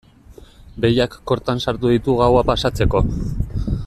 Behiak kortan sartu ditut gaua pasatzeko.